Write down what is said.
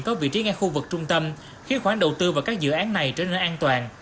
có vị trí ngay khu vực trung tâm khiến khoản đầu tư vào các dự án này trở nên an toàn